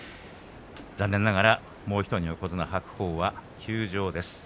残念ながらもう１人の横綱白鵬は休場です。